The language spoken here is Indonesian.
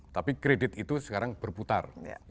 tapi kredit itu sekarang berputar